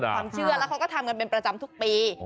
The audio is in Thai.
ความเชื่อแล้วเขาก็ทำกันเป็นประจำทุกปี